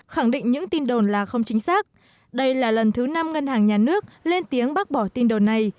khẳng định những tin đồn là không chính xác đây là lần thứ năm ngân hàng nhà nước lên tiếng bác bỏ tin đồn này